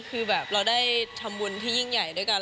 คือแบบเราได้ทำบุญที่ยิ่งใหญ่ด้วยกัน